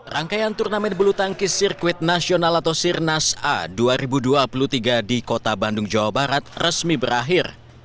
rangkaian turnamen bulu tangkis sirkuit nasional atau sirnas a dua ribu dua puluh tiga di kota bandung jawa barat resmi berakhir